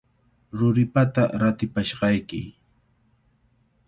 Ruripata ratipashqayki.